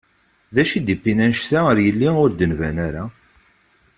Acu d-yiwin anect-a ɣer yelli ur d-nban ara?